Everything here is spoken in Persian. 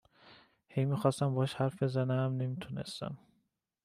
هی می خواستم باهاش حرف بزنم نمی تونستم